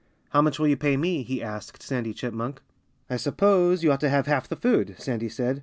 "How much will you pay me?" he asked Sandy Chipmunk. "I suppose you ought to have half the food," Sandy said.